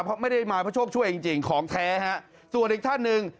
เพราะไม่ได้มาเพราะโชคช่วยจริงจริงของแท้ฮะส่วนอีกท่านหนึ่ง